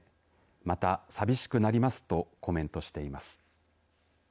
また寂しくなりますとコメントしています。